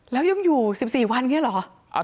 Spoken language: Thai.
แล้วยังอยู่๑๔วันเนี่ยเหรอ